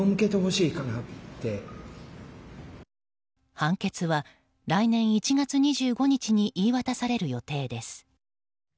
判決は来年１月２５日に言い渡される予定です。